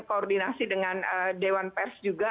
koordinasi dengan dewan pers juga